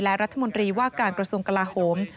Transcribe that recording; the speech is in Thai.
และรัฐมนตรีว่าการกระทรวงกลาโหม